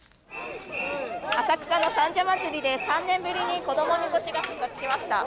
浅草の三社祭で、３年ぶりに子どもみこしが復活しました。